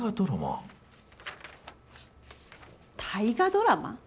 大河ドラマ？